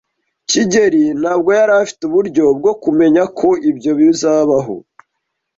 kigeli ntabwo yari afite uburyo bwo kumenya ko ibyo bizabaho.